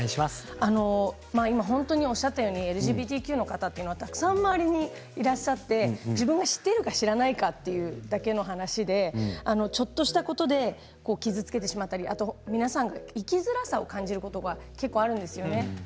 おっしゃったようにＬＧＢＴＱの方はたくさん周りにいらっしゃって自分が知っているか知らないかというだけの話でちょっとしたことで傷つけてしまったり皆さんが生きづらさを感じることが結構あるんですよね。